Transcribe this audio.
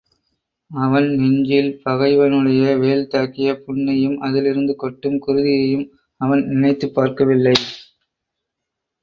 அவன் நெஞ்சில் பகைவனுடைய வேல்தாக்கிய புண்ணையும், அதலிருந்து கொட்டும் குருதியையும் அவன் நினைத்துப் பார்க்கவில்லை.